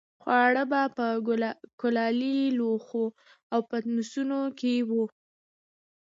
خواړه به په کلالي لوښو او پتنوسونو کې وو.